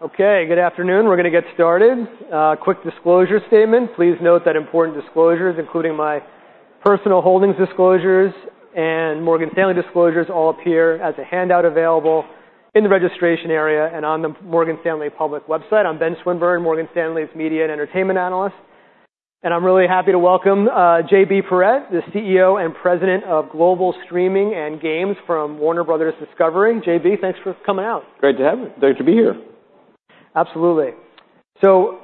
Okay, good afternoon. We're gonna get started. Quick disclosure statement: Please note that important disclosures, including my personal holdings disclosures and Morgan Stanley disclosures, all appear as a handout available in the registration area and on the Morgan Stanley public website. I'm Ben Swinburne, Morgan Stanley's media and entertainment analyst, and I'm really happy to welcome JB Perrette, the CEO and President of Global Streaming and Games from Warner Bros. Discovery. JB, thanks for coming out. Great to have me. Glad to be here. Absolutely. So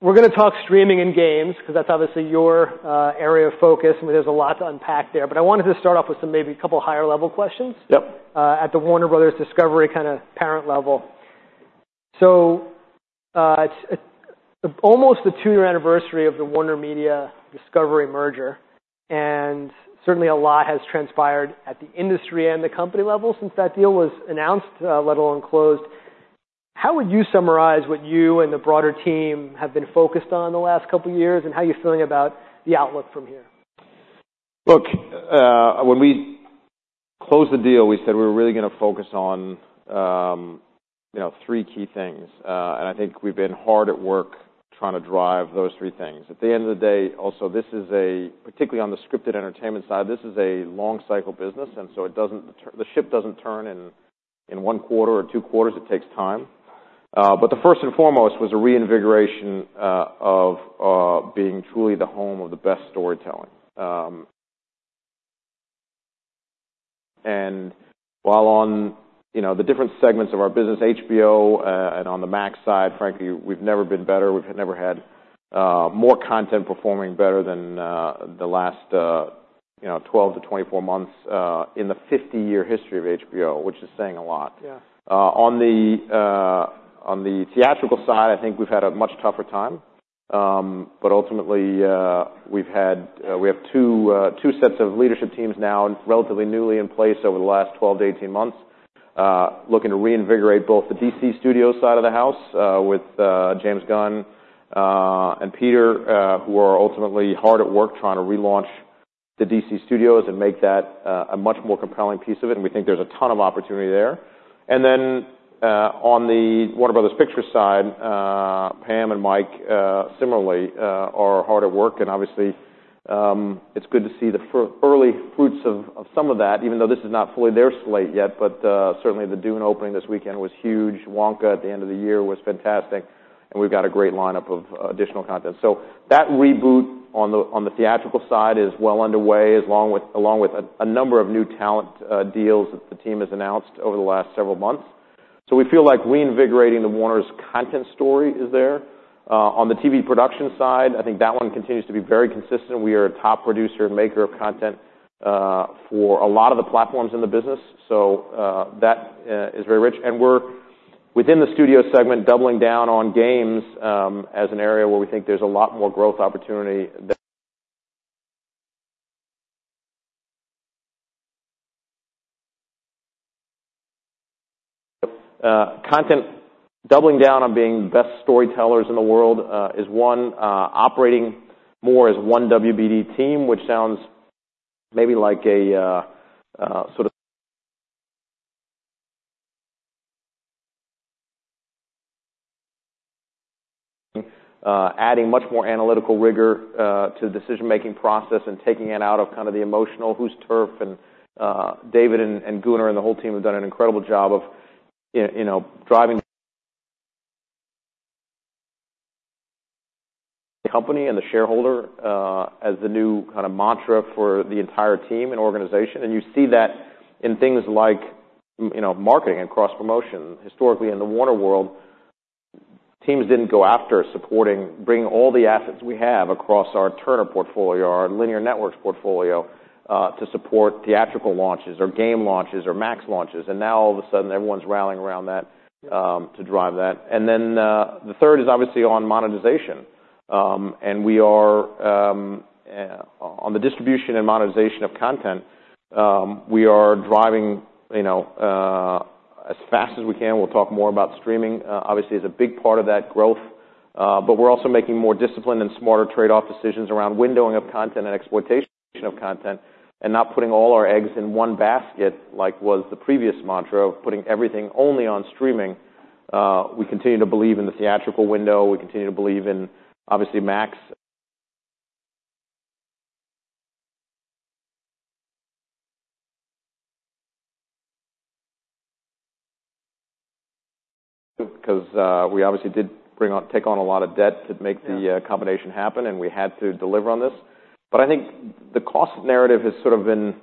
we're gonna talk streaming and games, 'cause that's obviously your area of focus, and there's a lot to unpack there. But I wanted to start off with some maybe couple higher level questions- Yep. At the Warner Bros. Discovery kind of parent level. So, it's almost the two-year anniversary of the WarnerMedia Discovery merger, and certainly a lot has transpired at the industry and the company level since that deal was announced, let alone closed. How would you summarize what you and the broader team have been focused on the last couple of years, and how are you feeling about the outlook from here? Look, when we closed the deal, we said we were really gonna focus on, you know, three key things. And I think we've been hard at work trying to drive those three things. At the end of the day, also, this is a... Particularly on the scripted entertainment side, this is a long cycle business, and so it doesn't turn, the ship doesn't turn in 1/4 or 2/4. It takes time. But the first and foremost was a reinvigoration of being truly the home of the best storytelling. And while on, you know, the different segments of our business, HBO, and on the Max side, frankly, we've never been better. We've never had more content performing better than the last, you know, 12-24 months in the 50-year history of HBO, which is saying a lot. Yeah. On the theatrical side, I think we've had a much tougher time, but ultimately, we have two sets of leadership teams now and relatively newly in place over the last 12-18 months, looking to reinvigorate both the DC Studios side of the house, with James Gunn and Peter, who are ultimately hard at work trying to relaunch the DC Studios and make that a much more compelling piece of it, and we think there's a ton of opportunity there. And then, on the Warner Bros. Pictures side, Pam and Mike similarly are hard at work, and obviously, it's good to see the early fruits of some of that, even though this is not fully their slate yet. But, certainly the Dune opening this weekend was huge. Wonka, at the end of the year, was fantastic, and we've got a great lineup of additional content. So that reboot on the theatrical side is well underway, along with a number of new talent deals that the team has announced over the last several months. So we feel like reinvigorating the Warner Bros.' content story is there. On the TV production side, I think that one continues to be very consistent. We are a top producer and maker of content for a lot of the platforms in the business, so that is very rich. And we're, within the studio segment, doubling down on games, as an area where we think there's a lot more growth opportunity than content. Doubling down on being best storytellers in the world is one, operating more as one WBD team, which sounds maybe like a sort of adding much more analytical rigor to the decision-making process and taking it out of kind of the emotional, whose turf? And David and Gunnar and the whole team have done an incredible job of, you know, driving the company and the shareholder as the new kind of mantra for the entire team and organization. And you see that in things like, you know, marketing and cross-promotion. Historically, in the Warner world, teams didn't go after supporting bringing all the assets we have across our Turner portfolio, our linear networks portfolio, to support theatrical launches or game launches or Max launches, and now all of a sudden, everyone's rallying around that to drive that. Then, the third is obviously on monetization. And we are on the distribution and monetization of content, we are driving, you know, as fast as we can. We'll talk more about streaming, obviously, is a big part of that growth, but we're also making more disciplined and smarter trade-off decisions around windowing of content and exploitation of content, and not putting all our eggs in one basket, like was the previous mantra of putting everything only on streaming. We continue to believe in the theatrical window. We continue to believe in, obviously, Max... 'Cause, we obviously did bring on-- take on a lot of debt to make- Yeah. ...the combination happen, and we had to deliver on this. But I think the cost narrative has sort of been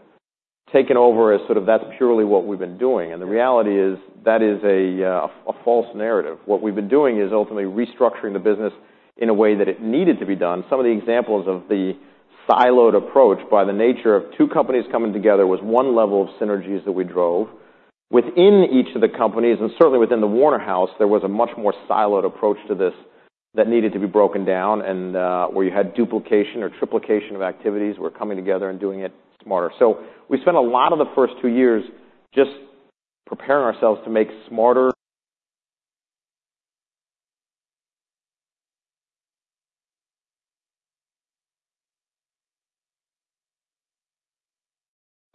taken over as sort of that's purely what we've been doing, and the reality is that is a false narrative. What we've been doing is ultimately restructuring the business in a way that it needed to be done. Some of the examples of the siloed approach by the nature of two companies coming together was one level of synergies that we drove. Within each of the companies, and certainly within the Warner House, there was a much more siloed approach to this that needed to be broken down, and where you had duplication or triplication of activities, we're coming together and doing it smarter. So we spent a lot of the first two years just preparing ourselves to make smarter-...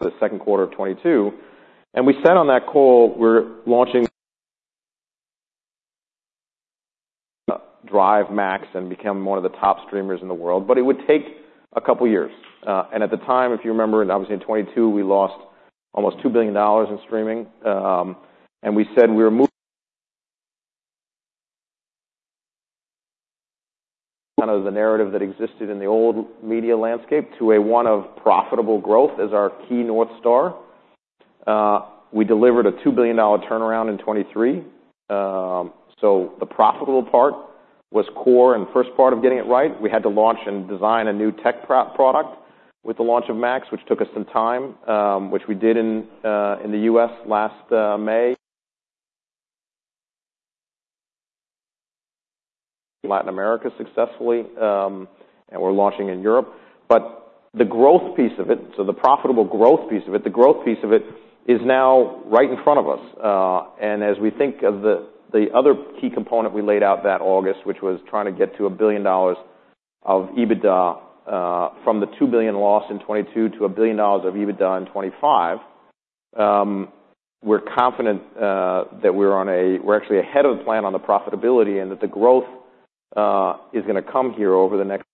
the second quarter of 2022, and we said on that call, we're launching HBO Max and become one of the top streamers in the world, but it would take a couple of years. And at the time, if you remember, and obviously in 2022, we lost almost $2 billion in streaming, and we said we were moving kind of the narrative that existed in the old media landscape to one of profitable growth as our key North Star. We delivered a $2 billion turnaround in 2023. So the profitable part was core and the first part of getting it right. We had to launch and design a new tech product with the launch of Max, which took us some time, which we did in the U.S. last May. Latin America successfully, and we're launching in Europe. But the growth piece of it, so the profitable growth piece of it, the growth piece of it, is now right in front of us. And as we think of the other key component, we laid out that August, which was trying to get to $1 billion of EBITDA, from the $2 billion loss in 2022 to $1 billion of EBITDA in 2025. We're confident that we're actually ahead of the plan on the profitability and that the growth is gonna come here over the next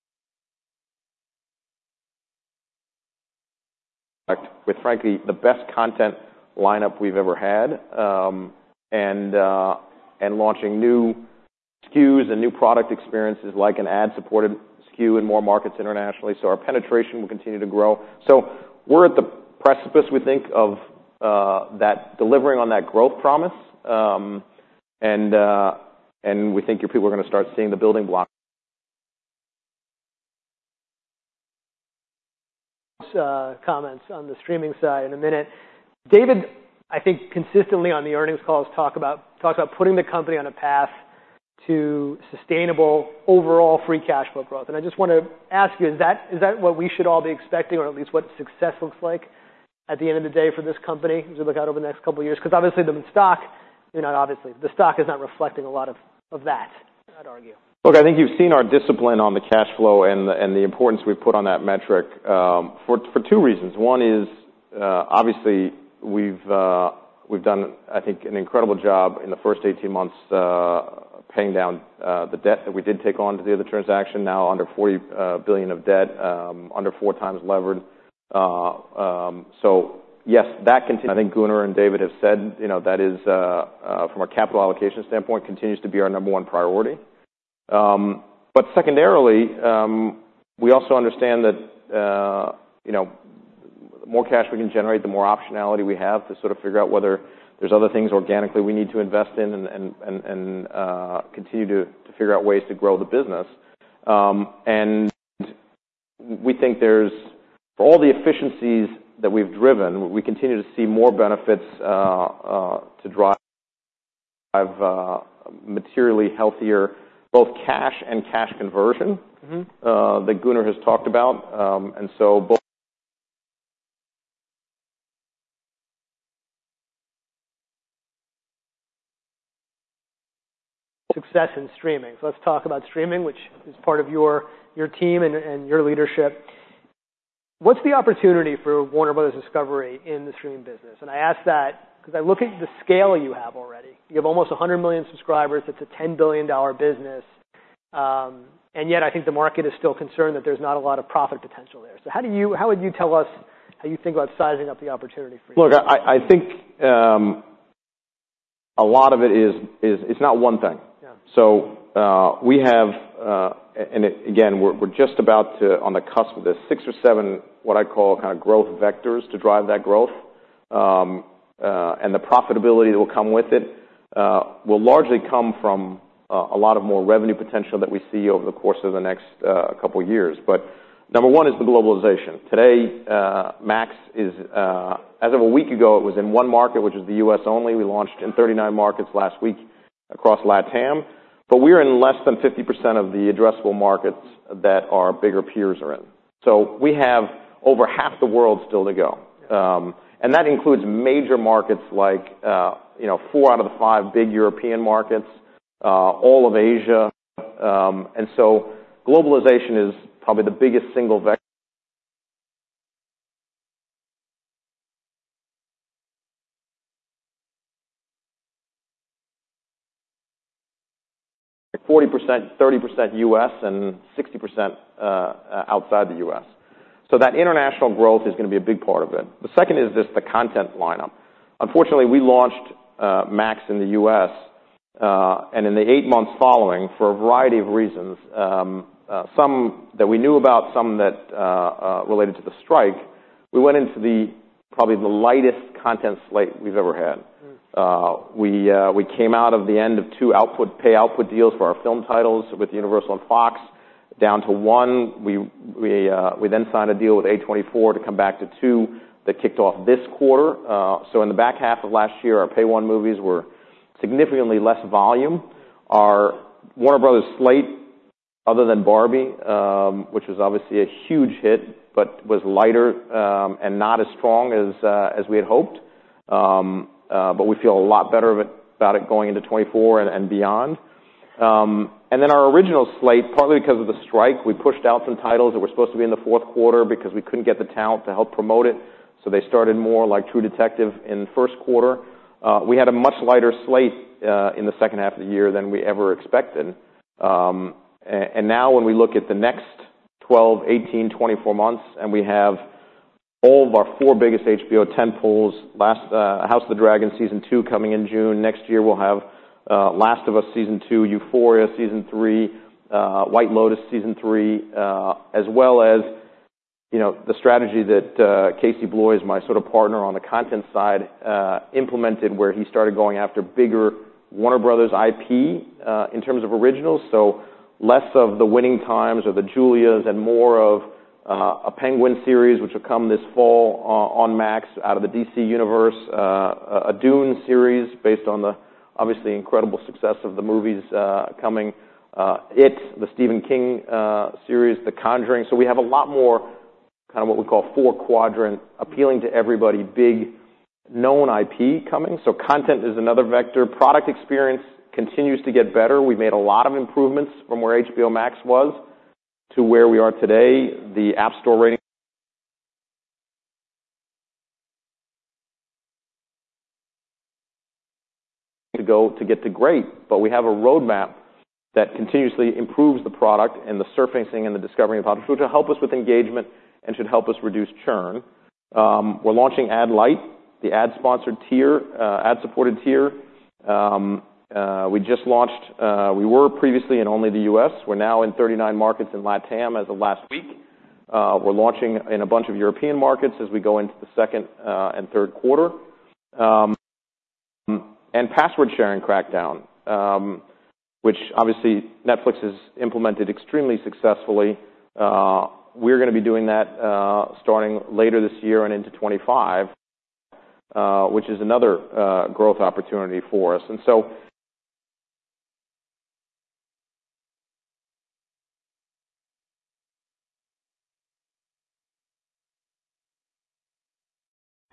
with, frankly, the best content lineup we've ever had, and launching new SKUs and new product experiences, like an ad-supported SKU in more markets internationally, so our penetration will continue to grow. So we're at the precipice, we think, of that delivering on that growth promise, and we think you people are gonna start seeing the building blocks. Comments on the streaming side in a minute. David, I think consistently on the earnings calls, talk about putting the company on a path to sustainable overall free cash flow growth. And I just wanna ask you, is that, is that what we should all be expecting or at least what success looks like at the end of the day for this company, as we look out over the next couple of years? Because obviously, the stock, you know, obviously, the stock is not reflecting a lot of that, I'd argue. Look, I think you've seen our discipline on the cash flow and the importance we put on that metric, for two reasons. One is, obviously, we've done, I think, an incredible job in the first 18 months, paying down the debt that we did take on to do the transaction, now under $40 billion of debt, under 4 times levered. So yes, that continues. I think Gunnar and David have said, you know, that is, from a capital allocation standpoint, continues to be our number one priority. But secondarily, we also understand that, you know, more cash we can generate, the more optionality we have to sort of figure out whether there's other things organically we need to invest in and continue to figure out ways to grow the business. And we think there's... For all the efficiencies that we've driven, we continue to see more benefits to drive materially healthier, both cash and cash conversion- Mm-hmm. that Gunnar has talked about. And so bo- Success in streaming. So let's talk about streaming, which is part of your, your team and, and your leadership. What's the opportunity for Warner Bros. Discovery in the streaming business? And I ask that because I look at the scale you have already. You have almost 100 million subscribers. It's a $10 billion business, and yet I think the market is still concerned that there's not a lot of profit potential there. So how do you- how would you tell us how you think about sizing up the opportunity for you? Look, I think a lot of it is... It's not one thing. Yeah. So, we have, and again, we're just about to, on the cusp of this, 6 or 7, what I call kind of growth vectors to drive that growth. And the profitability that will come with it, will largely come from, a lot of more revenue potential that we see over the course of the next, couple of years. But number one is the globalization. Today, Max is... As of a week ago, it was in 1 market, which is the U.S. only. We launched in 39 markets last week across LatAm, but we're in less than 50% of the addressable markets that our bigger peers are in. So we have over half the world still to go. And that includes major markets like, you know, 4 out of the 5 big European markets, all of Asia. And so globalization is probably the biggest single vector. 40%, 30% U.S., and 60% outside the U.S. So that international growth is gonna be a big part of it. The second is just the content lineup. Unfortunately, we launched Max in the U.S., and in the eight months following, for a variety of reasons, some that we knew about, some that related to the strike, we went into the, probably, the lightest content slate we've ever had. Mm. We came out of the end of two pay output deals for our film titles with Universal and Fox, down to one. We then signed a deal with A24 to come back to two that kicked off this quarter. So in the back half of last year, our Pay 1 movies were significantly less volume. Our Warner Bros. slate, other than Barbie, which was obviously a huge hit, but was lighter, and not as strong as we had hoped, but we feel a lot better about it going into 2024 and beyond. And then our original slate, partly because of the strike, we pushed out some titles that were supposed to be in the fourth quarter because we couldn't get the talent to help promote it, so they started more like True Detective in the first quarter. We had a much lighter slate in the second half of the year than we ever expected. And now when we look at the next 12, 18, 24 months, and we have all of our four biggest HBO tentpoles, last, House of the Dragon, Season Two coming in June. Next year, we'll have The Last of Us, Season 2, Euphoria, Season 3, The White Lotus, Season 3, as well as, you know, the strategy that Casey Bloys, my sort of partner on the content side, implemented, where he started going after bigger Warner Bros. IP in terms of originals. So less of the Winning Times or the Julias and more of a Penguin series, which will come this fall on Max, out of the DC Universe. A Dune series based on the obviously incredible success of the movies coming. It, the Stephen King series, The Conjuring. So we have a lot more, kind of, what we call four-quadrant, appealing to everybody, big, known IP coming. So content is another vector. Product experience continues to get better. We've made a lot of improvements from where HBO Max was to where we are today. The App Store rating to go to get to great. But we have a roadmap that continuously improves the product and the surfacing and the discovery of products, which will help us with engagement and should help us reduce churn. We're launching Ad-Lite, the ad-supported tier. We just launched—we were previously in only the U.S., we're now in 39 markets in LatAm as of last week. We're launching in a bunch of European markets as we go into the second and third quarter. And password sharing crackdown, which obviously Netflix has implemented extremely successfully. We're gonna be doing that, starting later this year and into 2025, which is another growth opportunity for us.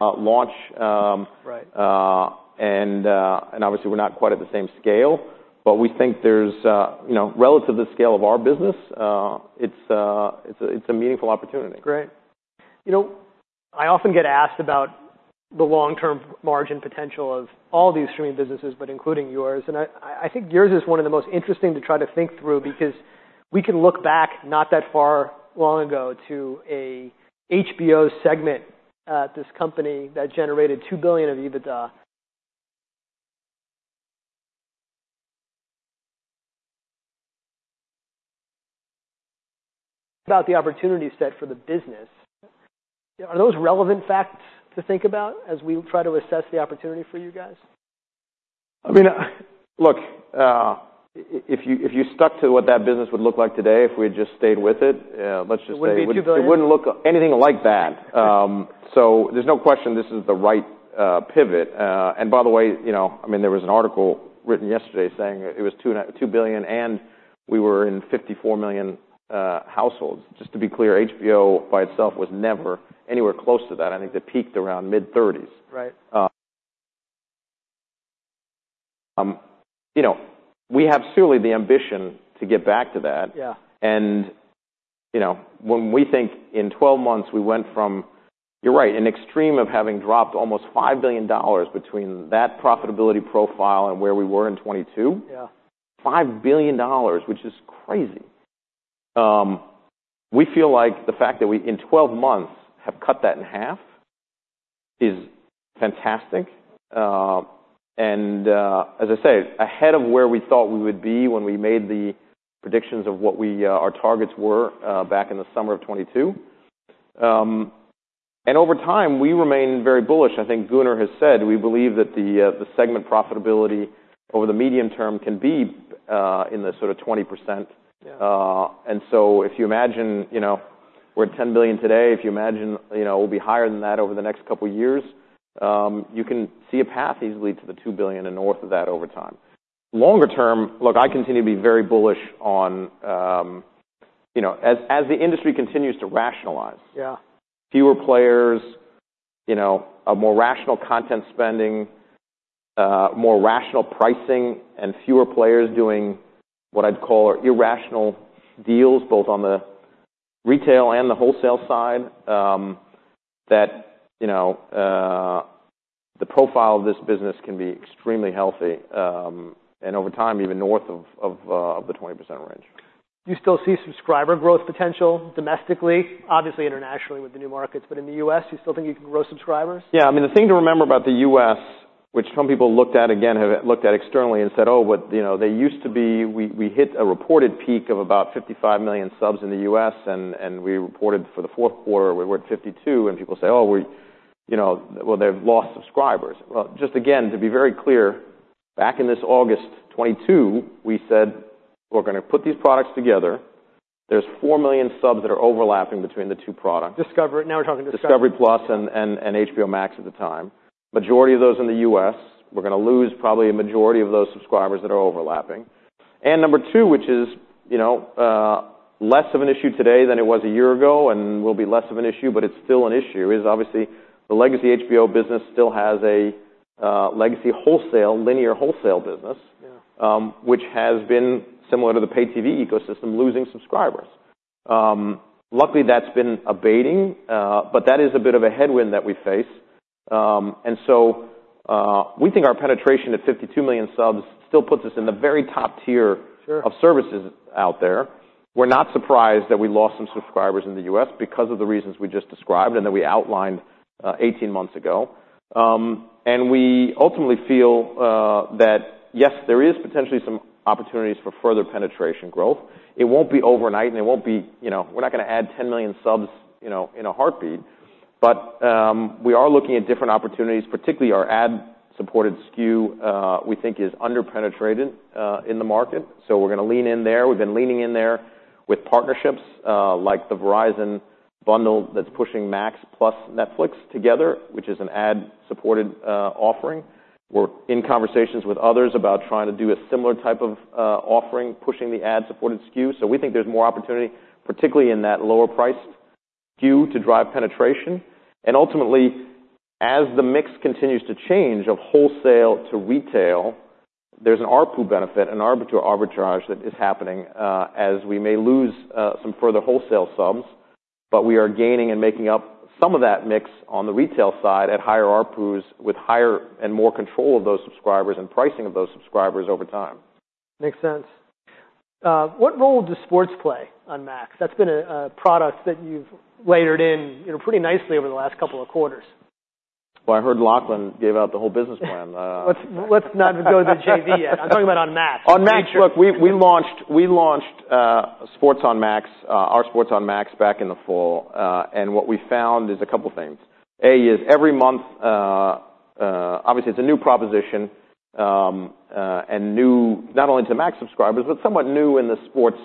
And so—launch— Right. Obviously, we're not quite at the same scale, but we think there's, you know, relative to the scale of our business, it's a meaningful opportunity. Great. You know, I often get asked about the long-term margin potential of all these streaming businesses, but including yours, and I, I think yours is one of the most interesting to try to think through. Because we can look back not that far long ago to a HBO segment at this company that generated $2 billion of EBITDA. About the opportunity set for the business, are those relevant facts to think about as we try to assess the opportunity for you guys? I mean, look, if you, if you stuck to what that business would look like today, if we had just stayed with it, let's just say- It wouldn't be $2 billion. It wouldn't look anything like that. Yeah. So there's no question this is the right pivot. And by the way, you know, I mean, there was an article written yesterday saying it was two billion, and we were in 54 million households. Just to be clear, HBO by itself was never anywhere close to that. I think it peaked around mid-30s. Right. You know, we have surely the ambition to get back to that. Yeah. You know, when we think in 12 months, we went from... You're right, an extreme of having dropped almost $5 billion between that profitability profile and where we were in 2022. Yeah. $5 billion, which is crazy. We feel like the fact that we, in 12 months, have cut that in half, is fantastic. As I said, ahead of where we thought we would be when we made the predictions of what we, our targets were, back in the summer of 2022. Over time, we remain very bullish. I think Gunnar has said we believe that the, the segment profitability over the medium term can be, in the sort of 20%. Yeah. And so if you imagine, you know, we're at $10 billion today, if you imagine, you know, we'll be higher than that over the next couple of years, you can see a path easily to the $2 billion and north of that over time. Longer term, look, I continue to be very bullish on, you know, as the industry continues to rationalize- Yeah. Fewer players, you know, a more rational content spending, more rational pricing, and fewer players doing what I'd call irrational deals, both on the retail and the wholesale side, that, you know, the profile of this business can be extremely healthy, and over time, even north of the 20% range. Do you still see subscriber growth potential domestically? Obviously, internationally, with the new markets, but in the U.S., you still think you can grow subscribers? Yeah. I mean, the thing to remember about the U.S., which some people looked at, again, have looked at externally and said: "Oh, but, you know, they used to be- we, we hit a reported peak of about 55 million subs in the U.S., and, and we reported for the fourth quarter, we were at 52." And people say: "Oh, we- you know, well, they've lost subscribers." Well, just again, to be very clear, back in this August 2022, we said: We're gonna put these products together. There's 4 million subs that are overlapping between the two products. Discovery. Now we're talking Discovery. Discovery Plus and HBO Max at the time. Majority of those in the U.S., we're gonna lose probably a majority of those subscribers that are overlapping.... And number two, which is, you know, less of an issue today than it was a year ago, and will be less of an issue, but it's still an issue, is obviously the legacy HBO business still has a legacy wholesale, linear wholesale business- Yeah. which has been similar to the pay-TV ecosystem, losing subscribers. Luckily, that's been abating, but that is a bit of a headwind that we face. And so, we think our penetration at 52 million subs still puts us in the very top tier- Sure... of services out there. We're not surprised that we lost some subscribers in the U.S. because of the reasons we just described and that we outlined, eighteen months ago. And we ultimately feel, that, yes, there is potentially some opportunities for further penetration growth. It won't be overnight, and it won't be- you know, we're not gonna add 10 million subs, you know, in a heartbeat. But, we are looking at different opportunities, particularly our ad-supported SKU, we think is under-penetrated, in the market. So we're gonna lean in there. We've been leaning in there with partnerships, like the Verizon bundle that's pushing Max plus Netflix together, which is an ad-supported offering. We're in conversations with others about trying to do a similar type of, offering, pushing the ad-supported SKU. We think there's more opportunity, particularly in that lower-priced SKU, to drive penetration. Ultimately, as the mix continues to change from wholesale to retail, there's an ARPU benefit, an arbitrage that is happening, as we may lose some further wholesale subs, but we are gaining and making up some of that mix on the retail side at higher ARPUs, with higher and more control of those subscribers and pricing of those subscribers over time. Makes sense. What role does sports play on Max? That's been a product that you've layered in, you know, pretty nicely over the last couple of quarters. Well, I heard Lachlan gave out the whole business plan. Let's not go to the JV yet. I'm talking about on Max. On Max, look, we launched sports on Max, our sports on Max back in the fall. And what we found is a couple things: A, is every month obviously, it's a new proposition, and new not only to Max subscribers, but somewhat new in the sports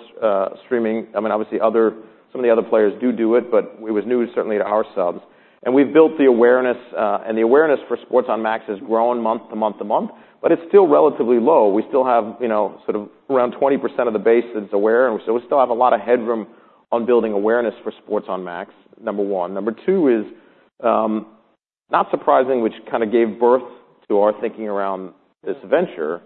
streaming. I mean, obviously some of the other players do it, but it was new, certainly, to our subs. And we've built the awareness, and the awareness for sports on Max has grown month to month to month, but it's still relatively low. We still have, you know, sort of around 20% of the base that's aware, and so we still have a lot of headroom on building awareness for sports on Max, number one. Number two is not surprising, which kind of gave birth to our thinking around this venture.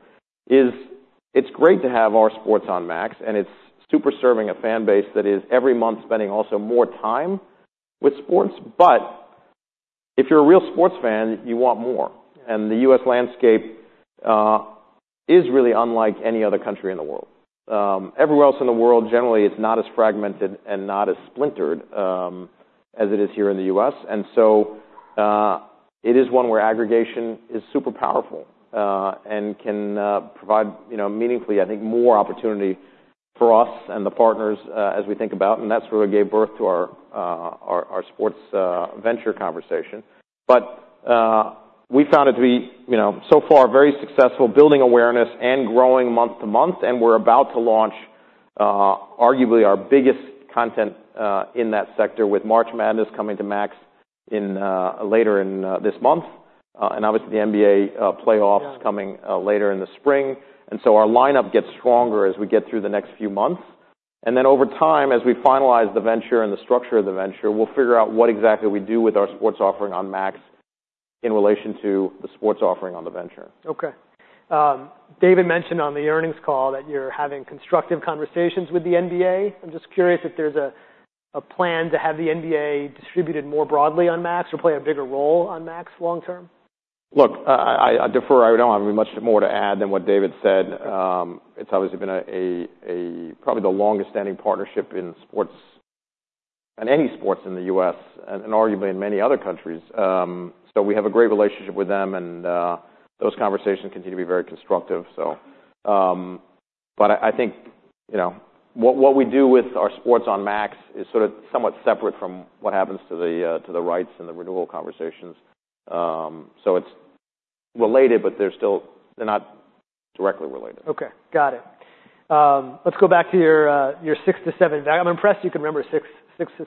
It's great to have our sports on Max, and it's super serving a fan base that is every month spending also more time with sports. But if you're a real sports fan, you want more, and the U.S. landscape is really unlike any other country in the world. Everywhere else in the world, generally, it's not as fragmented and not as splintered as it is here in the U.S. And so, it is one where aggregation is super powerful, and can provide, you know, meaningfully, I think, more opportunity for us and the partners, as we think about, and that's really gave birth to our sports venture conversation. But, we found it to be, you know, so far, very successful, building awareness and growing month to month, and we're about to launch, arguably our biggest content in that sector, with March Madness coming to Max later in this month, and obviously the NBA playoffs- Yeah.... coming later in the spring. So our lineup gets stronger as we get through the next few months. Then over time, as we finalize the venture and the structure of the venture, we'll figure out what exactly we do with our sports offering on Max in relation to the sports offering on the venture. Okay. David mentioned on the earnings call that you're having constructive conversations with the NBA. I'm just curious if there's a plan to have the NBA distributed more broadly on Max or play a bigger role on Max long term? Look, I defer. I don't have much more to add than what David said. It's obviously been probably the longest-standing partnership in sports, in any sports in the U.S. and arguably in many other countries. So we have a great relationship with them, and those conversations continue to be very constructive, so... But I think, you know, what we do with our sports on Max is sort of somewhat separate from what happens to the rights and the renewal conversations. So it's related, but they're not directly related. Okay, got it. Let's go back to your, your 6-7... I'm impressed you can remember 6,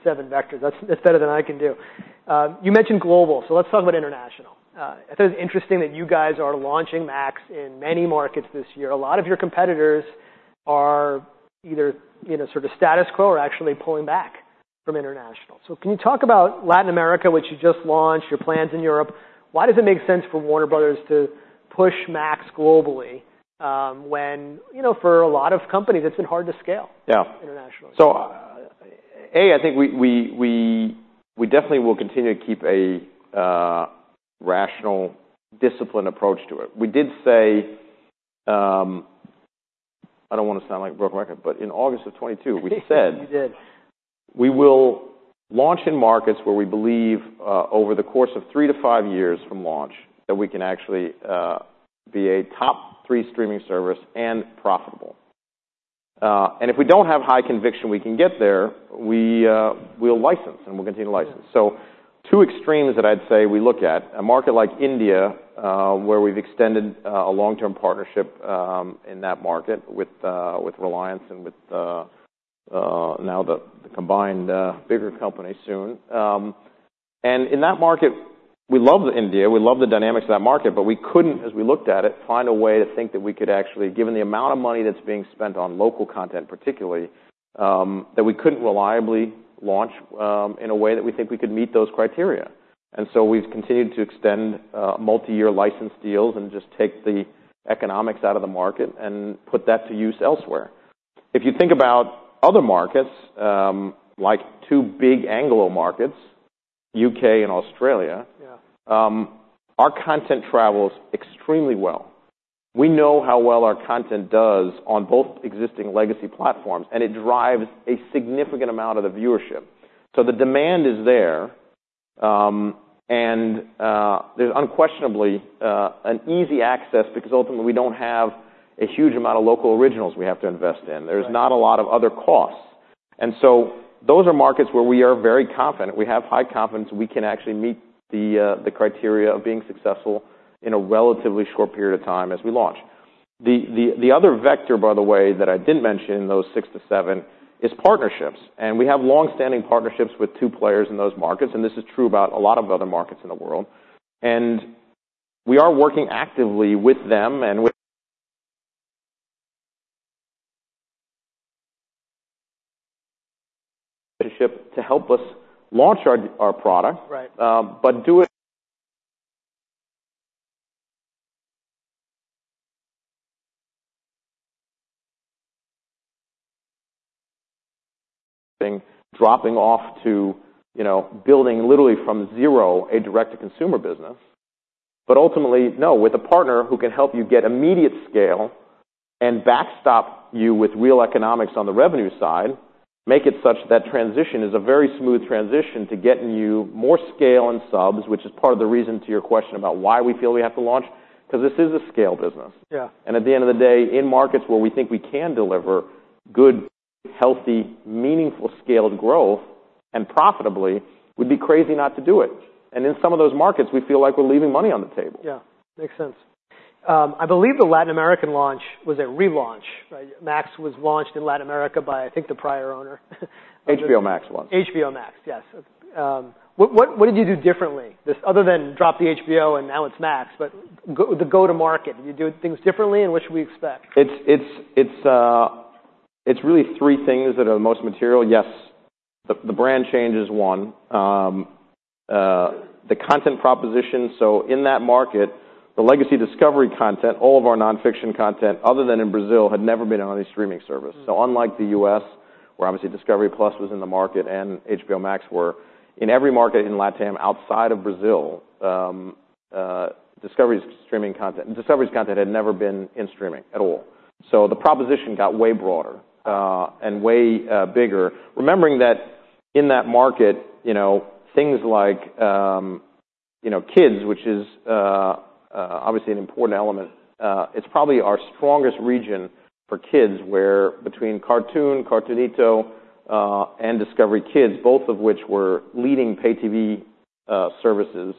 6-7 vectors. That's, that's better than I can do. You mentioned global, so let's talk about international. I thought it was interesting that you guys are launching Max in many markets this year. A lot of your competitors are either in a sort of status quo or actually pulling back from international. So can you talk about Latin America, which you just launched, your plans in Europe? Why does it make sense for Warner Bros. to push Max globally, when, you know, for a lot of companies, it's been hard to scale- Yeah... internationally? So, I think we definitely will continue to keep a rational, disciplined approach to it. We did say, I don't want to sound like a broken record, but in August of 2022, we said- You did ... we will launch in markets where we believe, over the course of 3-5 years from launch, that we can actually be a top three streaming service and profitable. And if we don't have high conviction we can get there, we, we'll license, and we'll continue to license. So two extremes that I'd say we look at, a market like India, where we've extended a long-term partnership in that market with, with Reliance and with, now the, the combined bigger company soon. In that market, we love India, we love the dynamics of that market, but we couldn't, as we looked at it, find a way to think that we could actually, given the amount of money that's being spent on local content, particularly, that we couldn't reliably launch, in a way that we think we could meet those criteria. So we've continued to extend, multiyear license deals and just take the economics out of the market and put that to use elsewhere. If you think about other markets, like two big Anglo markets, U.K. and Australia- Yeah. Our content travels extremely well. We know how well our content does on both existing legacy platforms, and it drives a significant amount of the viewership. So the demand is there, and there's unquestionably an easy access, because ultimately, we don't have a huge amount of local originals we have to invest in. There's not a lot of other costs. And so those are markets where we are very confident. We have high confidence we can actually meet the criteria of being successful in a relatively short period of time as we launch. The other vector, by the way, that I didn't mention in those 6-7, is partnerships, and we have long-standing partnerships with two players in those markets, and this is true about a lot of other markets in the world. We are working actively with them and to help us launch our product. Right. But dropping off to, you know, building literally from zero, a direct-to-consumer business. But ultimately, no, with a partner who can help you get immediate scale and backstop you with real economics on the revenue side, make it such that transition is a very smooth transition to getting you more scale and subs, which is part of the reason to your question about why we feel we have to launch, because this is a scale business. Yeah. At the end of the day, in markets where we think we can deliver good, healthy, meaningful scaled growth, and profitably, we'd be crazy not to do it. In some of those markets, we feel like we're leaving money on the table. Yeah. Makes sense. I believe the Latin America launch was a relaunch, right? Max was launched in Latin America by, I think, the prior owner. HBO Max was. HBO Max, yes. What did you do differently, just other than drop the HBO and now it's Max, but the go-to-market, did you do things differently, and what should we expect? It's really three things that are the most material. Yes, the brand change is one. The content proposition, so in that market, the legacy Discovery content, all of our nonfiction content, other than in Brazil, had never been on a streaming service. So unlike the U.S., where obviously Discovery Plus was in the market and HBO Max were, in every market in LatAm, outside of Brazil, Discovery's content had never been in streaming at all. So the proposition got way broader and way bigger. Remembering that in that market, you know, things like you know, kids, which is obviously an important element, it's probably our strongest region for kids, where between Cartoon, Cartoonito, and Discovery Kids, both of which were leading pay-TV services,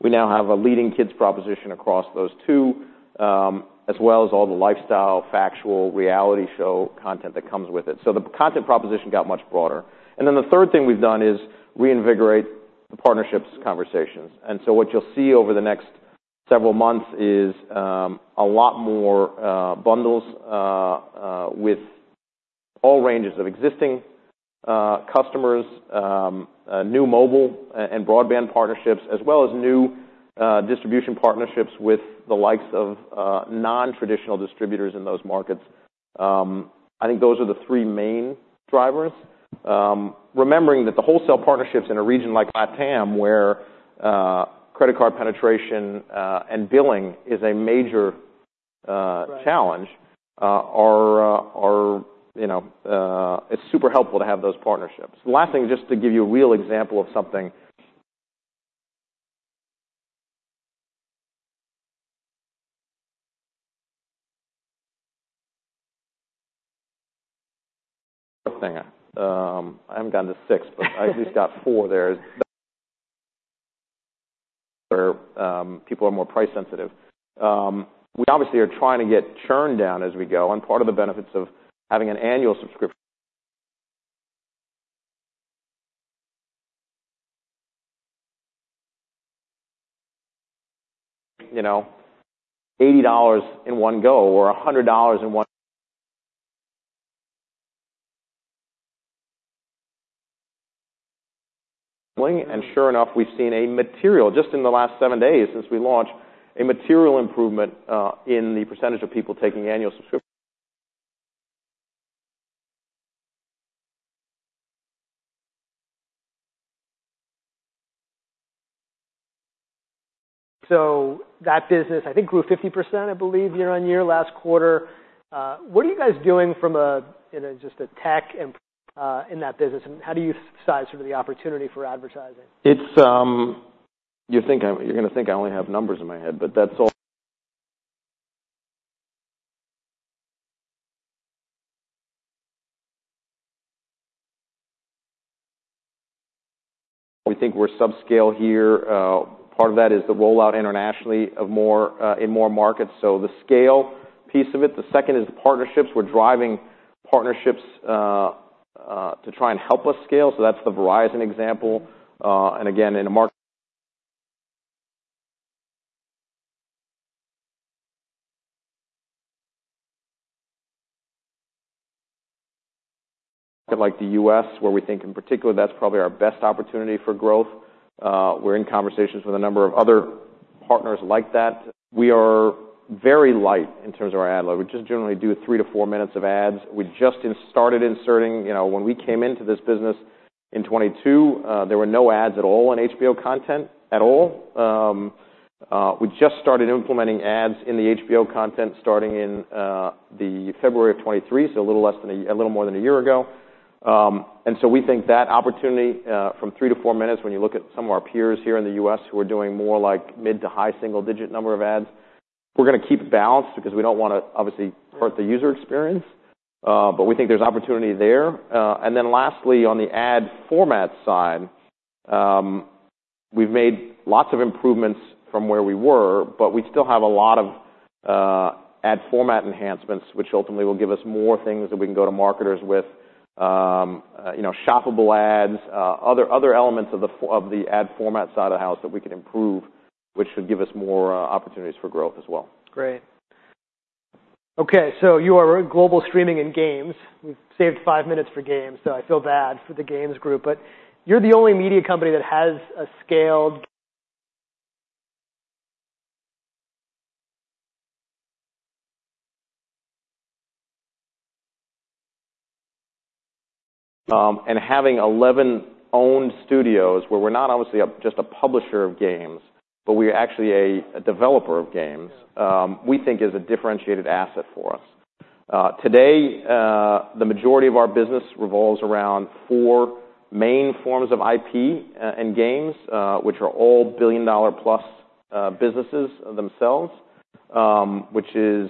we now have a leading kids' proposition across those two, as well as all the lifestyle, factual, reality show content that comes with it. So the content proposition got much broader. And then the third thing we've done is reinvigorate the partnerships conversations. And so what you'll see over the next several months is a lot more bundles with all ranges of existing customers new mobile and broadband partnerships, as well as new distribution partnerships with the likes of non-traditional distributors in those markets. I think those are the three main drivers. Remembering that the wholesale partnerships in a region like LatAm, where credit card penetration and billing is a major, Right. ...challenge, are, you know, it's super helpful to have those partnerships. The last thing, just to give you a real example of something- I haven't gotten to 6, but I at least got 4 there... People are more price sensitive. We obviously are trying to get churn down as we go, and part of the benefits of having an annual subscription- you know, $80 in one go, or $100 in one- And sure enough, we've seen a material, just in the last 7 days since we launched, a material improvement in the percentage of people taking annual subscriptions. So that business, I think, grew 50%, I believe, year-on-year, last quarter. What are you guys doing from a, in a, just a tech and in that business, and how do you size sort of the opportunity for advertising? You're gonna think I only have numbers in my head, but that's all we think we're subscale here. Part of that is the rollout internationally of more in more markets, so the scale piece of it. The second is partnerships. We're driving partnerships to try and help us scale. So that's the Verizon example. And again, in a market like the U.S., where we think in particular, that's probably our best opportunity for growth. We're in conversations with a number of other partners like that. We are very light in terms of our ad load. We just generally do 3-4 minutes of ads. We just started inserting. You know, when we came into this business in 2022, there were no ads at all on HBO content, at all. We just started implementing ads in the HBO content starting in the February of 2023, so a little more than a year ago. And so we think that opportunity, from 3-4 minutes, when you look at some of our peers here in the U.S., who are doing more like mid- to high single-digit number of ads, we're gonna keep it balanced because we don't wanna, obviously, hurt the user experience. But we think there's opportunity there. And then lastly, on the ad format side, we've made lots of improvements from where we were, but we still have a lot of ad format enhancements, which ultimately will give us more things that we can go to marketers with. You know, shoppable ads, other elements of the ad format side of the house that we can improve, which should give us more opportunities for growth as well. Great. Okay, so you are global streaming and games. We've saved five minutes for games, so I feel bad for the games group. But you're the only media company that has a scaled, Having 11 owned studios, where we're not obviously just a publisher of games, but we are actually a developer of games. Yeah... we think is a differentiated asset for us. Today, the majority of our business revolves around four main forms of IP, and games, which are all billion-dollar-plus businesses themselves. Which is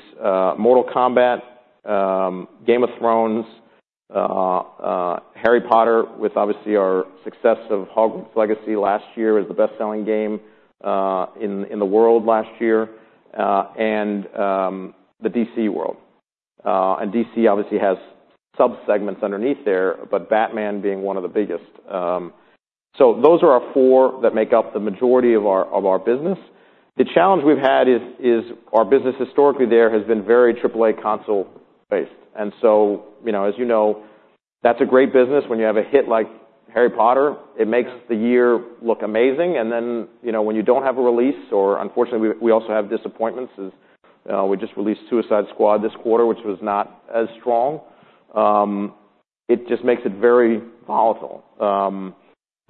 Mortal Kombat, Game of Thrones, Harry Potter, with obviously our success of Hogwarts Legacy last year, was the bestselling game in the world last year, and the DC world. And DC obviously has subsegments underneath there, but Batman being one of the biggest. So those are our four that make up the majority of our business. The challenge we've had is our business historically there has been very AAA console-based. And so, you know, as you know, that's a great business when you have a hit like Harry Potter. It makes the year look amazing, and then, you know, when you don't have a release or unfortunately, we, we also have disappointments, as we just released Suicide Squad this quarter, which was not as strong. It just makes it very volatile.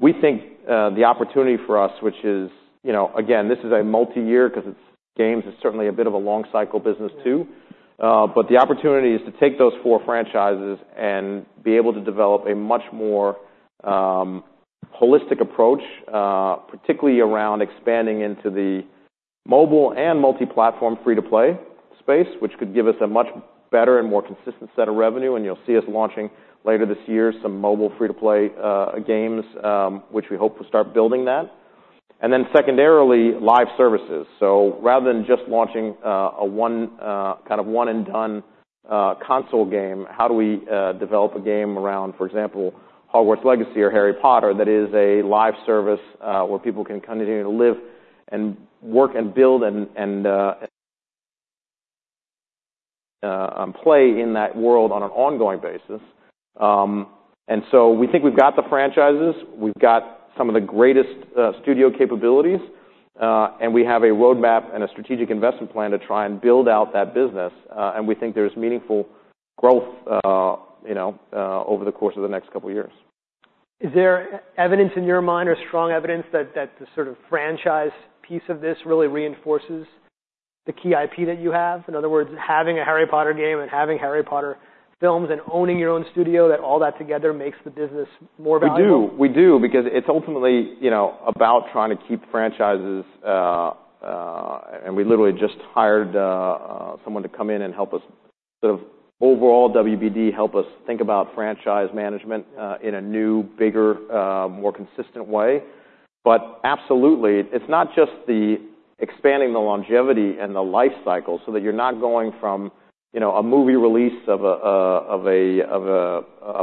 We think the opportunity for us, which is... You know, again, this is a multiyear, 'cause it's games, it's certainly a bit of a long cycle business, too. Yeah. But the opportunity is to take those four franchises and be able to develop a much more holistic approach, particularly around expanding into the mobile and multi-platform free-to-play space, which could give us a much better and more consistent set of revenue. And you'll see us launching, later this year, some mobile free-to-play games, which we hope will start building that. And then secondarily, live services. So rather than just launching a one kind of one-and-done console game, how do we develop a game around, for example, Hogwarts Legacy or Harry Potter, that is a live service, where people can continue to live and work and build and play in that world on an ongoing basis? And so we think we've got the franchises, we've got some of the greatest studio capabilities, and we have a roadmap and a strategic investment plan to try and build out that business. We think there's meaningful growth, you know, over the course of the next couple of years. Is there evidence in your mind, or strong evidence that, that the sort of franchise piece of this really reinforces the key IP that you have? In other words, having a Harry Potter game and having Harry Potter films and owning your own studio, that all that together makes the business more valuable? We do, we do, because it's ultimately, you know, about trying to keep franchises. And we literally just hired someone to come in and help us sort of overall WBD, help us think about franchise management in a new, bigger, more consistent way. But absolutely, it's not just the expanding the longevity and the life cycle, so that you're not going from, you know, a movie release of a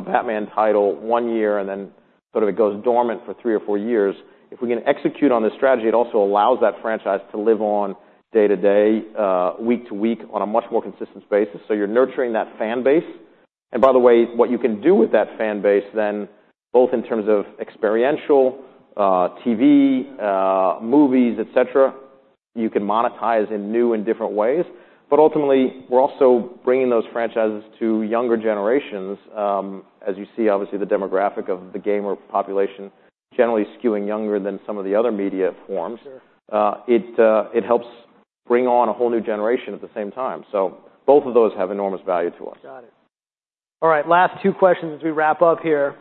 Batman title one year, and then sort of it goes dormant for three or four years. If we can execute on this strategy, it also allows that franchise to live on day to day, week to week on a much more consistent basis. So you're nurturing that fan base. And by the way, what you can do with that fan base then, both in terms of experiential, TV, movies, et cetera, you can monetize in new and different ways. But ultimately, we're also bringing those franchises to younger generations, as you see, obviously, the demographic of the gamer population generally skewing younger than some of the other media forms. Sure. It helps bring on a whole new generation at the same time. So both of those have enormous value to us. Got it. All right, last two questions as we wrap up here.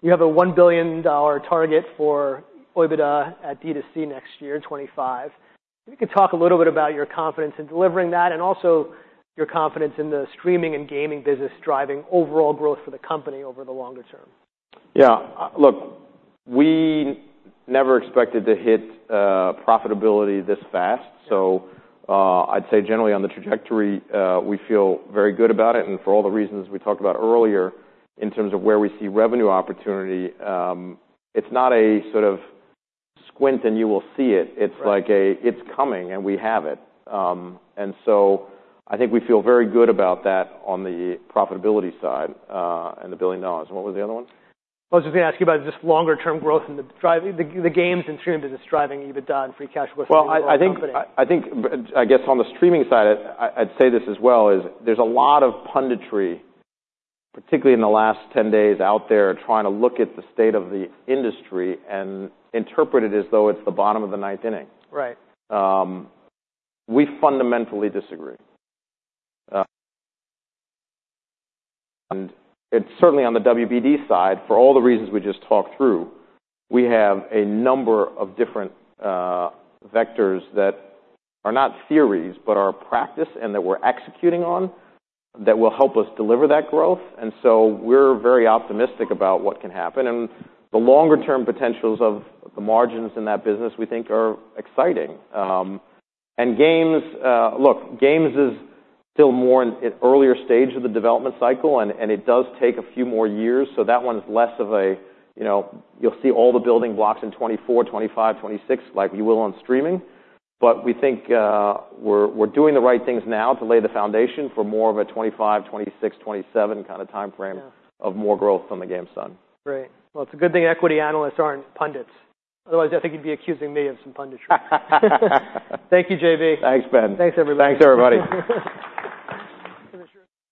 You have a $1 billion target for OIBDA at D2C next year, 2025. If you could talk a little bit about your confidence in delivering that, and also your confidence in the streaming and gaming business driving overall growth for the company over the longer term. Yeah. Look, we never expected to hit profitability this fast. So, I'd say generally on the trajectory, we feel very good about it, and for all the reasons we talked about earlier, in terms of where we see revenue opportunity, it's not a sort of squint and you will see it. Right. It's like a, "It's coming, and we have it." And so I think we feel very good about that on the profitability side, and the $1 billion. What were the other ones? I was just gonna ask you about just longer-term growth and driving the games and streaming business, driving EBITDA and free cash flow for the overall company. Well, I think, I guess on the streaming side, I'd say this as well, is there's a lot of punditry, particularly in the last 10 days, out there, trying to look at the state of the industry and interpret it as though it's the bottom of the ninth inning. Right. We fundamentally disagree. It's certainly on the WBD side, for all the reasons we just talked through, we have a number of different vectors that are not theories, but are practice and that we're executing on, that will help us deliver that growth. So we're very optimistic about what can happen. The longer term potentials of the margins in that business, we think are exciting. Games... Look, games is still more in an earlier stage of the development cycle, and it does take a few more years, so that one's less of a, you know, you'll see all the building blocks in 2024, 2025, 2026, like you will on streaming. But we think, we're doing the right things now to lay the foundation for more of a 2025, 2026, 2027 kind of timeframe- Yeah... of more growth on the games side. Great. Well, it's a good thing equity analysts aren't pundits. Otherwise, I think you'd be accusing me of some punditry. Thank you, JB. Thanks, Ben. Thanks, everybody. Thanks, everybody. Finish your-